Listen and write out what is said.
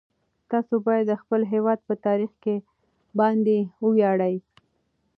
تاسو باید د خپل هیواد په تاریخ باندې وویاړئ.